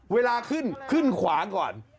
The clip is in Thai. เวลาขึ้นขึ้นขวางก่อน